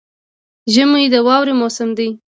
ژمی د واورې موسم دی